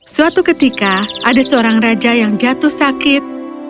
suatu ketika ada seorang raja yang jatuh sakit